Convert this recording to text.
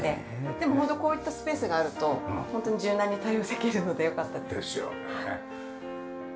でもホントこういったスペースがあると柔軟に対応できるのでよかったです。ですよね。